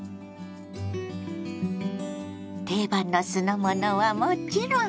定番の酢の物はもちろん！